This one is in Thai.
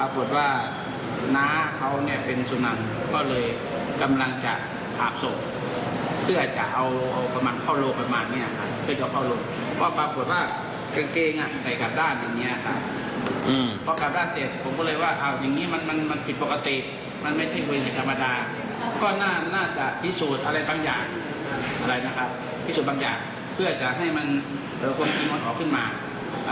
ก็น่าจะพิสูจน์อะไรบางอย่างเพื่อจะให้มันเปิดความกินมันขอขึ้นมา